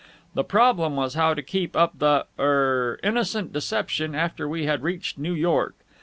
The problem was how to keep up the er innocent deception after we had reached New York.